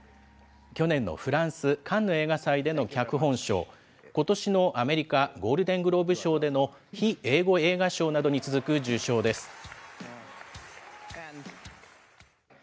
去年のフランス・カンヌ映画祭での脚本賞、ことしのアメリカ、ゴールデングローブ賞での非英語映画賞などに続く受賞です。